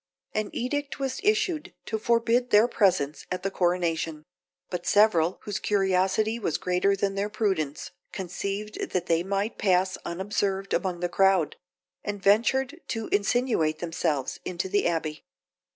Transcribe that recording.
An edict was issued to forbid their presence at the coronation; but several, whose curiosity was greater than their prudence, conceived that they might pass unobserved among the crowd, and ventured to insinuate themselves into the abbey.